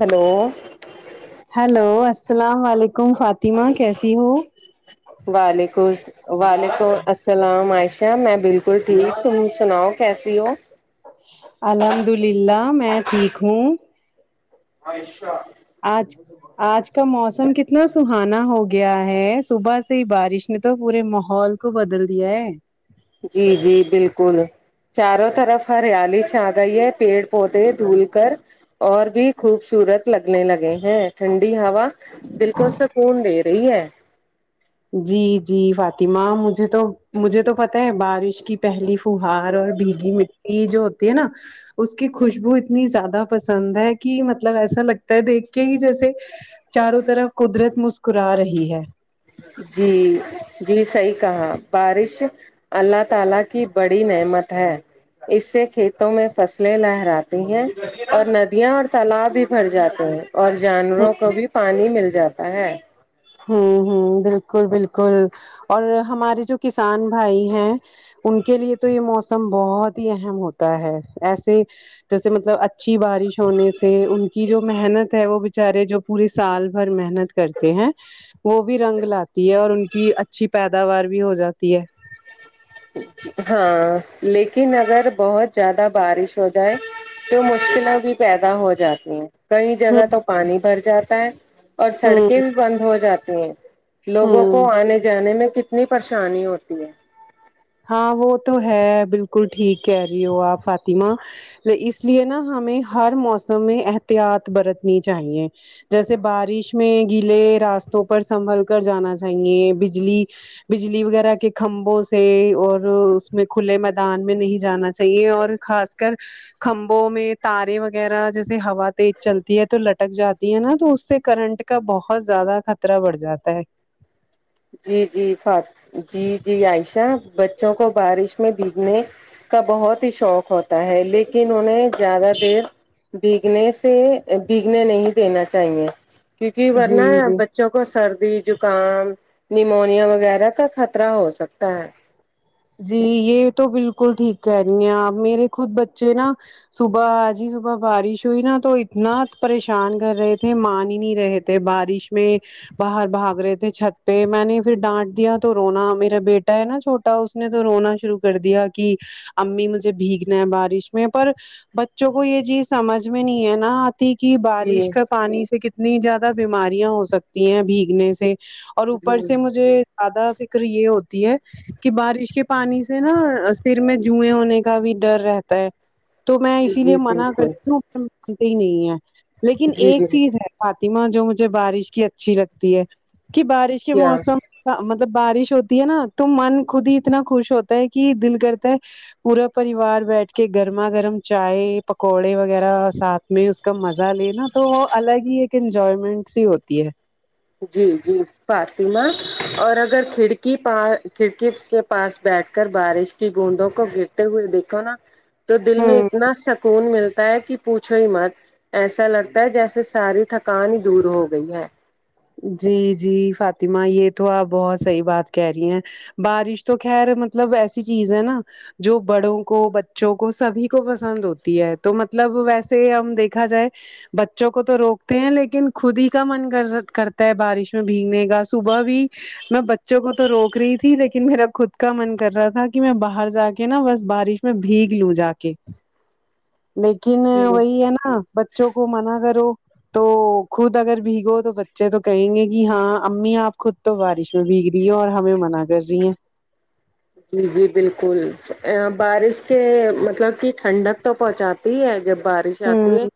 hello hello السلام و علیکم فاطمہ کیسی ہو وعلیکم س وعلیکم السلام عائشہ میں بالکل ٹھیک تم سناؤ کیسی ہو الحمد للہ میں ٹھیک ہوں عائشہ آج آج کا موسم کتنا سہانا ہو گیا ہے صبح سے ہی بارش نے تو پورے ماحول کو بدل دیا ہے جی جی بالکل چاروں طرف ہریالی چھا گئی ہے پیڑ پودے دھول کر اور بھی خوبصورت لگنے لگے ہیں ٹھنڈی ہوا بالکل سکون دے صحی ہے جی جی فاطمہ مجھے تو مجھے تو پتہ ہے بارش کی پہلی فہار اور بھیگی مٹی جو ہوتی ہے نا اس کی خوشبو اتنی زیادہ پسند ہے کی مطلب ایسا لگتا ہے دیکھ کے کی جیسے چاروں طرف قدرت مسکرا رہی ہے جی جی صحیح کہا بارش اللہ تعالی کی بڑی نعمت ہے اس سے کھیتوں میں فصلیں لہراتی ہیں اور ندیاں اور تالاب بھی بھر جاتے ہیں اور جانوروں کو بھی پانی مل جاتا ہے ہوں ہوں بالکل بالکل اور ہمارے جو کسان بھائی ہیں ان کے لیے تو یہ موسم بہت ہی اہم ہوتا ہے ایسے جیسے مطلبچ اچھی بارش ہونے سے ان کی جو محنت ہے وہ بچارے جو پورے سال بھر محنت کرتے ہیں وہ بھی رنگ لاتی ہے اور ان کی اچھی پیداوار بھی ہو جاتی ہے ہاں لیکن اگر بہت زیادہ بارش ہو جائے تو مشکلیں بھی پیدا ہو جاتی ہیں کئی جگہ تو ہ پانی بھر جاتا ہے اور سڑکیں بھی بند ہو جاتی ہیں ہ لوگوں ہ کو آنے جانے میں کتنی پریشانی ہوتی ہے ہاں وہ تو ہے بالکل ٹھیک کہہ رہی ہو آپ فاطمہ اس لیے نا ہمیں ہر موسم میں احتیاط برتنی چاہیے جیسے بارش میں گیلے راستوں پر سنبھل کر جانا چاہیے بجلی بجلی وغیرہ کے کھمبوں سے اور اس میں کھلے میدان میں نہیں جانا چاہیے اور خاص کر کھمبوں میں تارے وغیرہ جیسے ہوا تیز چلتی ہے تو لٹک جاتی ہے نا تو اس سے کرنٹ کا بہت زیادہ خطرہ بڑھ جاتا ہے جی جی جی جی عائشہ بچوں کو بارش میں بھیگنے کا بہت ہی شوق ہوتا ہے لیکن انہیں زیادہ دیر بگنے سے بگنے نہیں دینا چاہیے کیونکہ ورنہ جی ہے اب جی بچوں کو سردی زکام نیمونیا وغیرہ کا خطرہ ہو سکتا ہے جی یہ تو بالکل ٹھیک ہےنی ہے میرے خود بچے نا صبح آج ہی صبح بارش ہوئی نا تو اتنا پریشان کر رہے تھے مان ہی نہیں رہے تھے کہ بارش میں باہر بھاگ رہے تھے چھت پہ میں نے پھر ڈانٹ دیا تو رونا میرا بیٹا ہے نا چھوٹا اس اس نے تو رونا شروع کر دیا کہ امی مجھے بھیگنا ہے بارش میں پر بچوں کو یہ چیز سمجھ میں نہیں ہے نا کی جی بارش کا پانی سے کتنی زیادہ بیماریاں ہو سکتی ہیں بھیگنے سے اور جی اوپر سے مجھے زیادہ فکر یہ ہوتی ہے کہ بارش کے پانی سے نا سر میں جوئیں ہونے کا بھی ڈر رہتا ہے تو میں جی اسی لیے جی منع بالکل کرتی ہوں مانتے ہی نہیں ہیں لیکن جی ایک بال چیز ہے فاطمہ جو مجھے بارش کی اچھی لگتی ہے کہ بارش کے کیا موسم مطلب بارش ہوتی ہے نا تو من خود ہی اتنا خوش ہوتا ہے کہ دل کرتا ہے پورا پریوار بیٹھ کے گرما گرم چائے پکوڑے وغیرہ ساتھ میں اس کا مزہ لےینا تو وہ الگ ہی ایک انجوائمنٹ سی ہوتی ہے جی جی فاطمہ اور اگر کھڑکی پا کھڑکی کے پاس بیٹھ کر بارش کی گوندوں کو گر ہوئے دیکھو نا تو دل میں ہوں اتنا سکون ملتا ہے کہ پوچھو ہی مت ایسا لگتا ہے جیسے ساری تھکانی دور ہو گئی ہے جی جی فاطمہ یہ تو آپ بہت صحیح بات کہہ رہی ہیں بارش تو خیر مطلب ایسی چیز ہے نا جو بڑوں کو بچوں کو سبھی کو پسند ہوتی ہے تو مطلب ویسے ہم دیکھ دیکھا جائے بچوں کو تو روکتے ہیں لیکن خود ہی کا من کر کرتا ہے بارش میں بھیگنے کا صبح بھی میں بچوں کو تو روک رہی تھی لیکن میرا خود کا من کر رہا تھا کہ میں باہر جا کے نا بس بارش میں بھیگ لوں جا کے لیکن جی وہی ہے نا بچوں کو منع کرو تو خود اگر بھیگو تو بچے تو کہیں گے کہ ہاں امی آپ خود تو بارش میں بھیگ رہی ہے اور ہمیں منع کر رہی ہیں جی جی بالکل بارش کے مطلب کہ ٹھنڈک تو پہنچاتی ہے جب بارش آتی ہے ہوں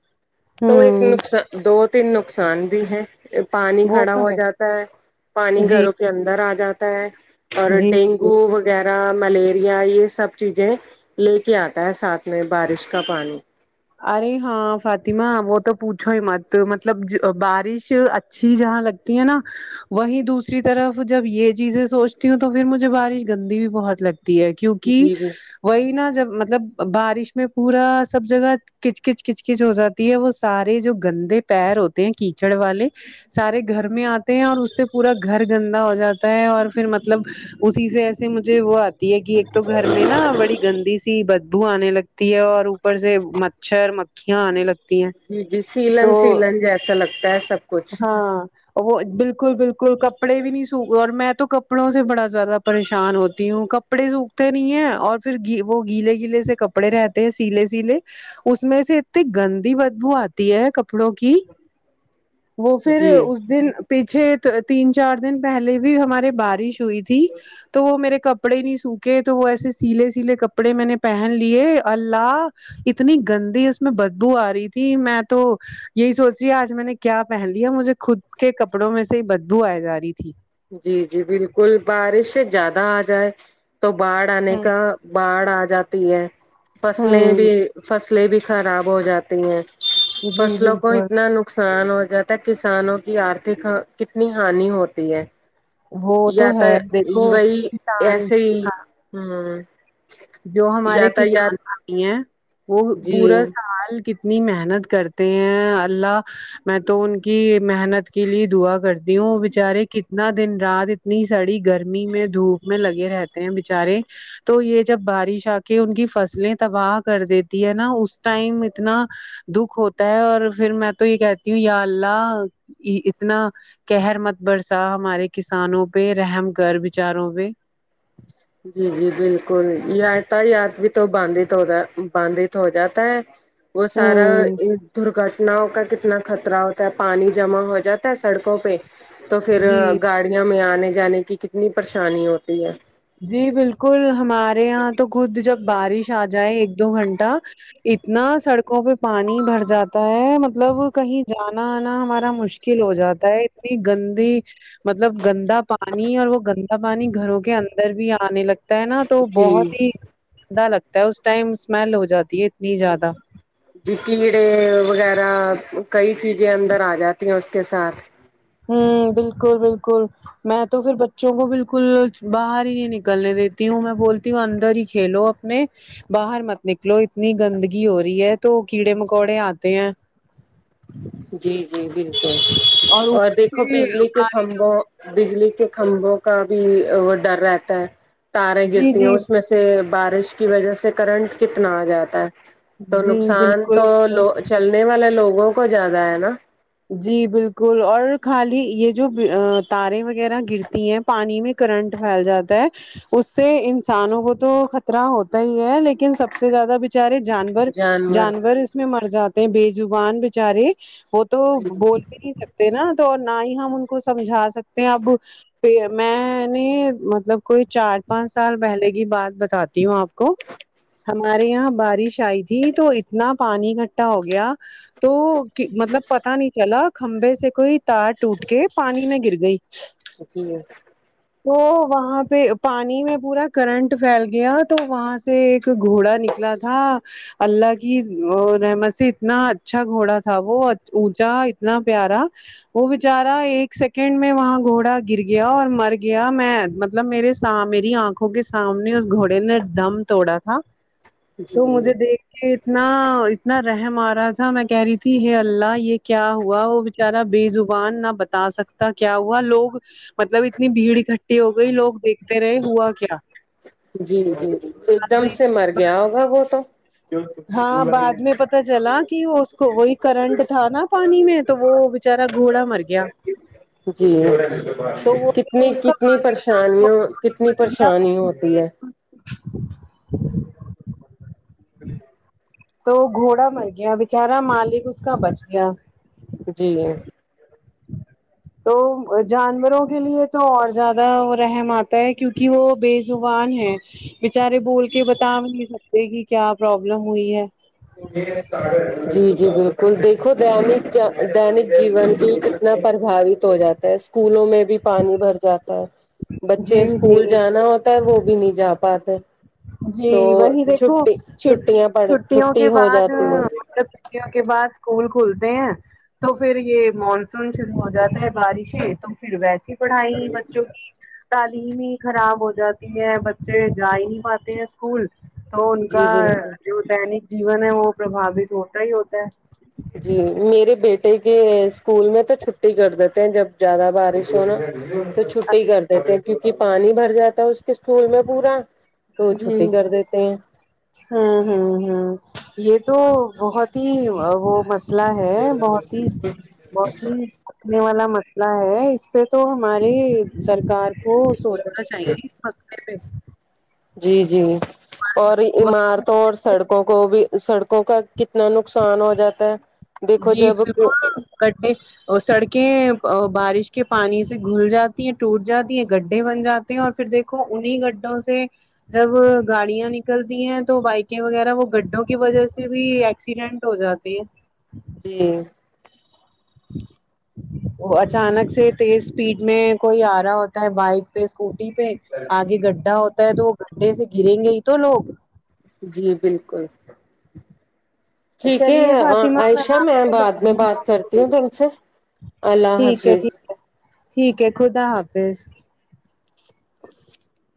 تو ایک ہوں نقصان دو تین نقصان بھی ہے پانی وہ کھڑا تو ہو جاتا ہے پانی جی گھروں کے اندر آ جاتا ہے اور جی ڈینگ او وغیرہ ملیریا یہ سب چیزیں لے کے آتا ہے ساتھ میں بارش کا پانی ارے ہاں فاطمہ وہ تو پوچھو ہی مت مطلب بارش اچھی جہاں لگ تی ہیں نا وہیں دوسری طرف جب یہ چیزیں سوچتی ہوں تو پھر مجھے بارش گندی بھی بہت لگتی ہے کیونکہ جی جی وہی نا جب مطلب بارش میں پورا سب جگہ کچ کچ کچ کچ ہو جاتی ہے وہ سارے جو گندے پیر ہوتے ہیں کیچڑ والے سارے گھر میں آتے ہیں اور اس سے پورا گھر گندا ہو جاتا ہے اور پھر مطلب اسی سے ایسے مجھے وہ آتی ہے کہ ایک تو گھر میں نا بڑی گندی سی بدبو آنے لگ تی ہے اور اوپر سے مچھر مکھیاں آنے لگتی ہیں جی جی سیلن تو سیلن جیسا لگتا ہے سب کچھ ہاں وہ بالکل بالکل کپڑے بھی نہیں سو اور میں تو کپڑوں سے بڑا زیادہ پریشان ہوتی ہوں کپڑے سوکھتے نہیں ہیں اور پھر وہ گیلے گیلے سے کپڑے رہتے ہیں سیلے سیلے اس میں سے اتنی گندی بدبو آتی ہے کپڑوں کی وہ پھر جی اس دن پیچھے تین چار دن پہلے بھی ہمارے بارش ہوئی تھی تو وہ میرے کپڑے نہیں سوکھے تو وہ ایسے سیلے سیلے کپڑے میں نے پہن لیے اللہ اتنی گندی اس میں بدبو آ رہی تھی میں تو یہی سوچ رہی آج میں نے کیا پہن لیا مجھے خود کے کپڑوں میں سے بدبو آئے جا رہی تھی جی جی بالکل بارش سے زیادہ آ جائے تو باڑ آنے کا باڑھ آ جاتی ہے فصلیں بھی ہوں فصلیں بھی خراب ہو جاتی ہیں جی فصلوں کو بالکل اتنا ن نقصان ہو جاتا ہے کسانوں کی آرتھک کتنی ہانی ہوتی ہے وہ یا تو ہے دیکھو وہی انسان ایسے ہی ہاں جو ہمارے یاتایات کسان بھائی ہیں وہ جی پورا سال اتنی محنت کرتے ہیں اللہ میں تو ان کی محنت کے لیے دعا کر کرتی ہو بیچارے اتنا دن رات اتنی سڑی گرمی میں دھوپ میں لگے رہتے ہیں بچارے تو یہ جب بارش آ کے ان کی فصلیں تباہ کر دیتی ہے نا اس ٹائم اتنا دکھ ہوتا ہے اور پھر میں تو یہ کہتی ہوں یا اللہ اتنا کہہر مت برسا ہمارے کسانوں پہ رحم گھر بچاروں پہ جی جی بالکل یادتا یاد بھی تو بانھت ہو بانھت ہو جاتا ہے وہ سارا ہوں درگٹ کتنا ہو کا کتنا خطرہ ہوتا ہے پانی جمع ہو جاتا ہے سڑکوں پہ تو پھر جی گاڑیوں میں آنے جانے کی کتنی پریشانی ہوتی ہے جی بالکل ہمارے یہاں تو خود جب بارش آ جائے ایک دو گھنٹہ اتنا سڑکوں پے پانی بھر جاتا ہے مطلب کہیں جانا آنا ہمارا مش کل ہو جاتا ہے اتنی گندگی مطلب گندا پانی اور وہ گندا پانی گھروں کے اندر بھی آنے لگتا تا ہے نہ تو جی بہت ہی گندا لگتا ہے اس ٹائم اسمیل ہو جاتی ہے اتنی زیادہ جی کیڑے وغیرہ کئی چیزیں اندر آ جاتی ہیں اس کے ساتھ ہوں بالکل بالکل میں تو پھر بچوں کو بالکل باہر ہی نہیں نکلنے دیتی ہوں میں بولتی ہوں اندر ہی کھیلو نے باہر مت نکلو اتنی گندگی ہو رہی ہے تو کیڑے مکوڑے آتے ہیں جی جی بالکل اور اوپر دیکھو سے بجلی کے بارش کھمبوں بجلی کے کھمبوں کا بھی وہ ڈر رہتا ہے تاریں جی گرتی ہیں جی اس میں سے تے بارش کی وجہ سے کرنٹ کتنا آ جاتا ہے تو جی نقصان تو بالکل لو چلنے والے لوگوں کو زیادہ ہے نا جی بالکل اور خالی یے جو تاریں وغیرہ گرتی ہیں پانی میں کرنٹ پھیل جاتا ہے اس سے انسانوں کو تو خطرہ ہوتا ہی ہے لیکن سب سے زیادہ بچ چارے جانور جانور اس میں مر جاتے ہیں بے زبان بچارے ہو تو وہ جی بول بھی نہیں سکتے نا تو نہ ہی ہم ان کو سمجھا سکتے ہیں اب پے میں نے مطلب کوئی چار پانچ سال پہلے کی بات بتاتی ہوں آپ کو ہمارے یہاں بارش آئی تھی تو اتنا پانی اکٹھا ہو گیا تو مطلب پتا نہیں چلا کھمبے سے کوئی تار ٹوٹ کے پانی میں گر گئی جی تو وہاں پے پانی میں پورا کرنٹ پھیل گیا تو وہاں سے ایک گھوڑا نکلا تھا اللہ کی رحمت سے اتنا اچھا گھوڑا تھا وہ اونچا اتنا پیارا وہ بچارا ایک سیکنڈ میں وہاں گھوڑا گر گیا اور مر گیا میں مطلب میرے سے میری آنکھوں کے سامنے اس گھوڑے نے دم توڑا تھا جی تو مجھے دیکھ کے اتنا اتنا رحم آ رہا تھا میں کہہ رہی تھی ہے اللہ یے کیا ہوا وہ بچارا بے زبان نہ بتا سکتا کیا ہوا لوگ مطلب اتنی بھیڑ اکٹھی ہو گئی لوگ دیکھ تے رہے ہوا کیا جی جی ایک بعد دم میں سے مر گیا ہوگا وہ تو ہاں بعد میں پتا چلا کی وہ اس کو وہی کرنٹ تھا نا پانی میں تو وہ بچارا گھوڑا مر گیا جی تو وہ کت نی جو اس کا کتنی مالک تھا، وہ پریشانیوں کتنی بچ گیا پریشانی ہوتی ہے تو گھوڑا مر گیا بچارا مالک اس کا بچ گیا جی تو جانوروں کے لیے تو اور زیادہ رحم آتا ہے کیونکے وہ بے زبان ہے بچارے بول کے بتا بھی نہیں سکتے کی کیا پرابلم ہوئی ہے جی جی بالکل دیکھو دینک دینک جیون کی اتنا پرباوت ہو جاتا ہے اسکولوں میں بھی پانی بھر جاتا ہے بچے جی اسکول جی جانا ہوتا ہے وہ بھی نہیں جا پاتے جی تو وہی دیکھو چھٹی چٹ چھٹیاں پڑ چھٹیوں چھٹی کے ہو بعد جاتی ہے مطلب چوٹیوں کے بعد اسکول کھلتے ہیں تو پھر یے مانسون شروع ہو جاتا ہے بارشیں تو پھر ویسی پڑھائی بچوں کی تعلیم ہی خراب ہو جاتی ہے بچے جاہی نہیں پاتے تے ہیں اسکول تو ان جی کا بالکل جو دینک جیون ہے وہ پرباوت ہوتا ہی ہوتا ہے جی میرے بیٹے کے اسکول میں تو چھٹی کر دیتے ہیں جب زیادہ بارش تو نو وہ چھٹی کر دیتے ہیں کیونکی پانی بھر جاتا ہے اس کے اسکول میں پورا تو جی چھٹی کر دیتے ہیں ہوں ہوں ہوں یہ تو بہت ہی وہ مس مسلہ ہے بہت ہی بہت ہی رنے والا مسئلہ ہے اس پہ تو ہماری سرکار کو سوچنا چاہیے اس مسئلے پہ جی جی اور عمارتوں اور سڑکوں کو بھی سڑکوں کا کتنا نقصان ہو جاتا ہے دیکھو جی جب بالکل گڈھے اور سڑکیں بارش کے پانی سے گھل جاتی ہیں ٹوٹ جاتی ہیں گڈھے بن جاتے تی ہے اور پھر دیکھو انہی گڈھوں سے جب گاڑیاں نکلتی ہیں تو بائکیں وغیرہ وہ گڈھوں کی وجہ سے بھی ایکسیڈنٹ ہو جاتے ہیں [unintelligible] وہ اچانک سے تیز اسپیڈ میں کوئی آ رہا ہوتا ہے بائک پہ اسکوٹی پہ آگے گڈھا ہوتا ہے تو وہ گڈھے سے گریں گے ہی تو لوگ جی بالکل ٹھیک ہے چلیے فاطمہ عائشہ میں آپ بعد میں بات کرتی سے ہوں تم سے اللہ ٹھیک ہے حافظ ٹھیک ٹھیک ہے خدا حافظ اچ